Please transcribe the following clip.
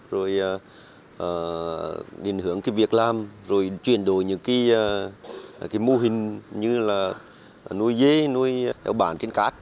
rồi điền hướng cái việc làm rồi chuyển đổi những cái mô hình như là nuôi dê nuôi heo bản trên cát